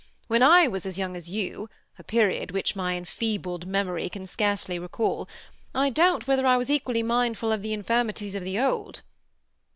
When I was as young as you, a period which my enfeebled memory can scarcely recall, I doubt whether I was equally mindful of the infirmities of the old."